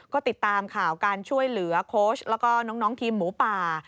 ก็ติดตามข่าวการช่วยเหลือโค้ชแล้วก็น้องทีมหมูป่า